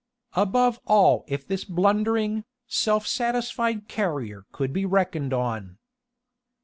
Above all if this blundering, self satisfied Carrier could be reckoned on!...